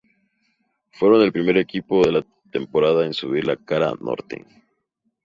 Fueron el primer equipo de la temporada en subir la cara Norte.